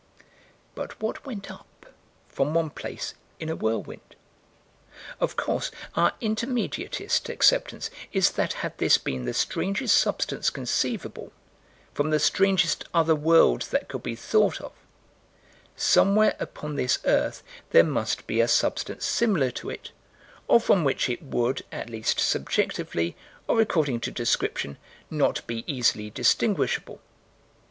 But what went up, from one place, in a whirlwind? Of course, our Intermediatist acceptance is that had this been the strangest substance conceivable, from the strangest other world that could be thought of; somewhere upon this earth there must be a substance similar to it, or from which it would, at least subjectively, or according to description, not be easily distinguishable.